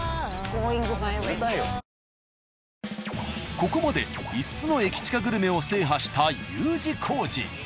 ここまで５つのエキチカグルメを制覇したＵ字工事。